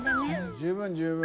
十分十分。